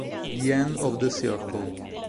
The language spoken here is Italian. The End of the Circle